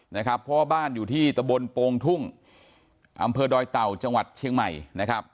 เพราะว่าบ้านอยู่ที่ตะบนโปรงทุ่งอำเภอดอยเต่าจังหวัดเชียงใหม่นะครับ